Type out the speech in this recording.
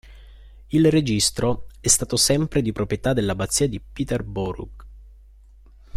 Il registro è stato sempre di proprietà dell'abbazia di Peterborough.